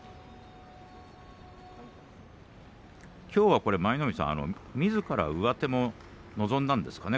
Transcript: きょうは舞の海さんみずから上手も望んだんですかね